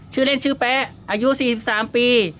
ชื่อเล่นชื่อแป๊ะอายุ๔๓ปี